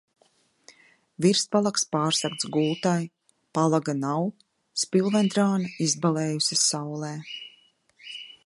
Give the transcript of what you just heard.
Virspalags pārsegts gultai, palaga nav, spilvendrāna izbalējusi saulē.